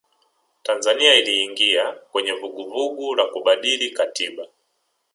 tanzania iliingia kwenye vuguvugu la kubadili katiba